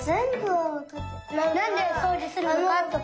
なんでそうじするのかとか。